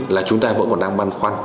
là chúng ta vẫn còn đang băn khoăn